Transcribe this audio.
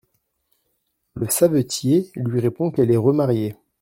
Le savetier lui répond qu'elle est remariée.